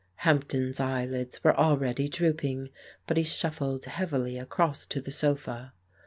Hampden's eyelids were already drooping, but he shuffled heavily across to the sofa.